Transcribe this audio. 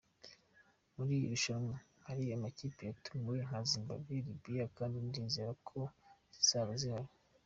Muri iri rushanwa hari amakipe yatumiwe nka Zimbabwe, Libya kandi ndizera ko zizaba zihari.”